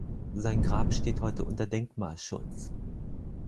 Sein Grab steht heute unter Denkmalschutz.